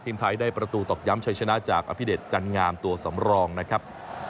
ไทยได้ประตูตอกย้ำชัยชนะจากอภิเดชจันงามตัวสำรองนะครับ